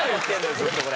ずっとこれ。